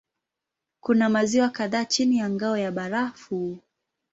Kuna maziwa kadhaa chini ya ngao ya barafu.